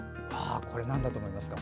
これ、なんだと思いますか？